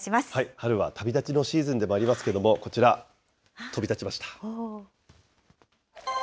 春は旅立ちのシーズンでもありますけれども、こちら、飛び立ちました。